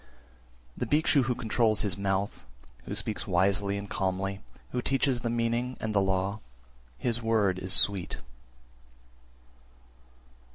363. The Bhikshu who controls his mouth, who speaks wisely and calmly, who teaches the meaning and the law, his word is sweet.